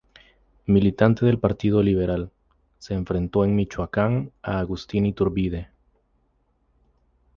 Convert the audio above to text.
Militante del Partido Liberal, se enfrentó en Michoacán a Agustín de Iturbide.